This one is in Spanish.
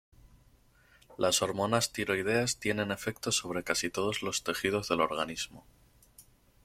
Las hormonas tiroideas tienen efectos sobre casi todos los tejidos del organismo.